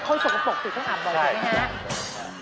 คนสุขปกติต้องอาบบ่อยเลยไหมคะ